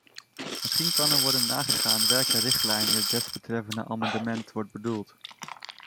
Misschien kan er worden nagegaan welke richtlijn in het desbetreffende amendement wordt bedoeld.